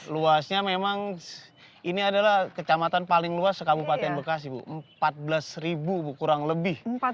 luasnya memang ini adalah kecamatan paling luas sekabupaten bekasi bu empat belas bu kurang lebih